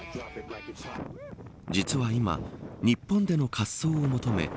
実は今、日本での滑走を求め